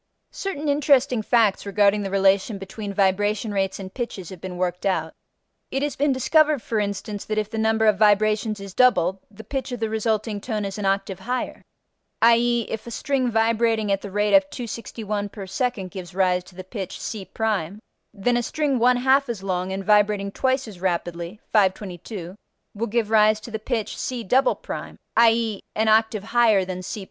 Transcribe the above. Certain interesting facts regarding the relation between vibration rates and pitches have been worked out: it has been discovered for instance that if the number of vibrations is doubled, the pitch of the resulting tone is an octave higher; i.e., if a string vibrating at the rate of 261 per second gives rise to the pitch c', then a string one half as long and vibrating twice as rapidly (522) will give rise to the pitch c'', i.e., an octave higher than c'.